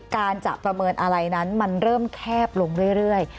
การจะประเมินอะไรนั้นมันเริ่มแคบลงเรื่อย